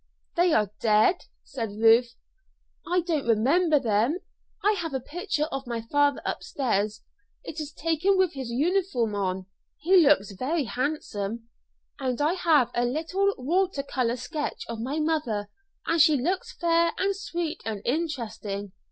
"They are dead," said Ruth. "I don't remember them. I have a picture of my father upstairs; it is taken with his uniform on. He looks very handsome. And I have a little water color sketch of my mother, and she looks fair and sweet and interesting.